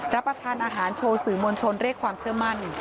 รับประทานอาหารโชว์สื่อมวลชนเรียกความเชื่อมั่น